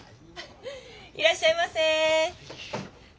いらっしゃいませ。